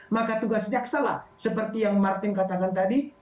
maka tugas jaksa lah seperti yang martin katakan tadi